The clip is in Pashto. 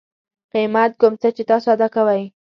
قیمت کوم څه چې تاسو ادا کوئ